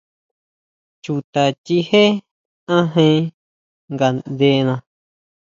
Chuta chijé ajen ngaʼndena.